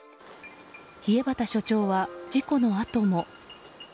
稗畑署長は事故のあとも。